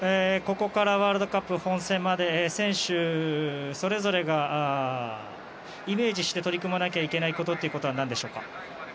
ここからワールドカップ本戦まで選手それぞれがイメージして取り組まなきゃいけないことは何でしょうか。